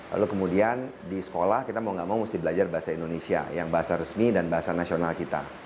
lalu kemudian di sekolah kita mau gak mau mesti belajar bahasa indonesia yang bahasa resmi dan bahasa nasional kita